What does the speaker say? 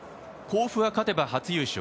甲府が勝てば初優勝。